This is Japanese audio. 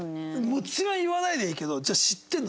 もちろん言わないでいいけどじゃあ知ってるの？